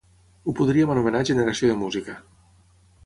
Ho podríem anomenar generació de música.